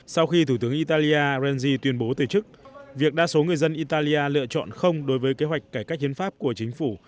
sau khi thủ tướng italia renzy tuyên bố từ chức việc đa số người dân italia lựa chọn không đối với kế hoạch cải cách hiến pháp của chính phủ